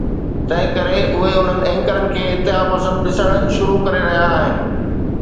تنهن ڪري اهي انهن اينڪرز کي انتها پسند ڏسڻ شروع ڪري رهيا آهن.